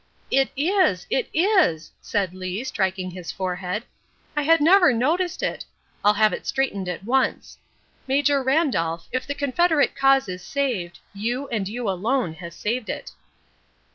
"It is. It is!" said Lee, striking his forehead. "I never noticed it. I'll have it straightened at once. Major Randolph, if the Confederate cause is saved, you, and you alone, have saved it."